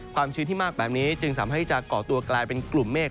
ชื้นที่มากแบบนี้จึงสามารถที่จะเกาะตัวกลายเป็นกลุ่มเมฆ